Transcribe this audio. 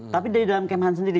tapi dari dalam kemhan sendiri